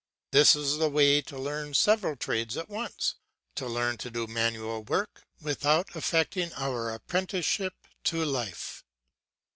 This is the way to learn several trades at once, to learn to do manual work without neglecting our apprenticeship to life.